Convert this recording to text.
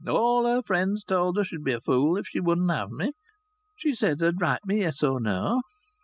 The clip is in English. All her friends told her she'd be a fool if she wouldn't have me. She said her'd write me yes or no.